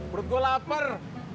menurut gua lapar